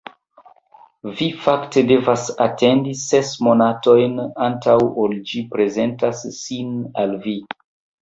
Vi fakte devas atendi ses monatojn, antaŭ ol ĝi prezentas sin al vi.